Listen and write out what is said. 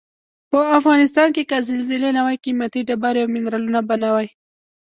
په افغنستان کې که زلزلې نه وای قیمتي ډبرې او منرالونه به نه وای.